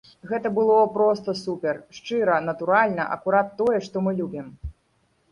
Гэта было проста супер, шчыра, натуральна, акурат тое, што мы любім.